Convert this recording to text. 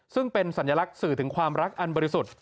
ซึ่งเป็นสัญลักษณ์สื่อถึงความรักอันบริสุทธิ์